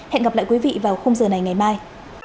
hẹn gặp lại quý vị vào khung giờ này ngày mai